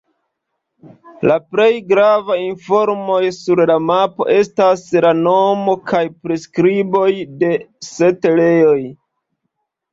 La plej gravaj informoj sur la mapo estas la nomoj kaj priskriboj de setlejoj.